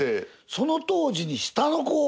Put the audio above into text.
その当時に下の子を。